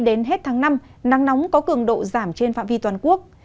đến hết tháng năm nắng nóng có cường độ giảm trên phạm vi toàn quốc